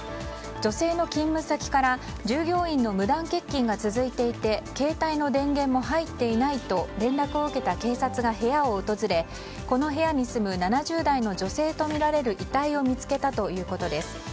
女性の勤務先から従業員の無断欠勤が続いていて携帯の電源も入っていないと連絡を受けた警察が部屋を訪れこの部屋に住む７０代の女性とみられる遺体を見つけたということです。